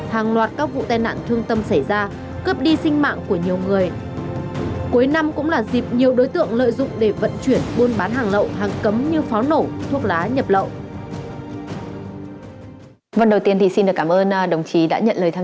hàng loạt các vụ tai nạn thương tâm xảy ra cướp đi sinh mạng của nhiều người